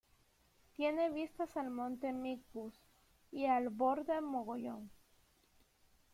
Tiene vistas al Monte Mingus y el Borde Mogollón.